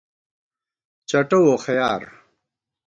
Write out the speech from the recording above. چٹہ ووخَیار